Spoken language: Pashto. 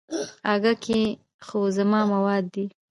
اگه کې خو زما مواد دي.